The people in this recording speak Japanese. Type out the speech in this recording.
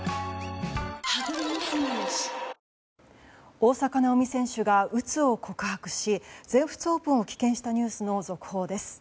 大坂なおみ選手がうつを告白し全仏オープンを棄権したニュースの続報です。